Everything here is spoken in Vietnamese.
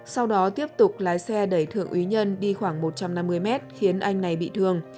sau đó tiếp tục lái xe đẩy thượng úy nhân đi khoảng một trăm năm mươi mét khiến anh này bị thương